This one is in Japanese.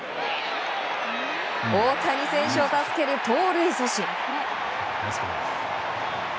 大谷選手を助ける盗塁阻止。